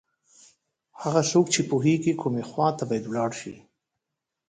هغه څوک چې پوهېږي کومې خواته باید ولاړ شي.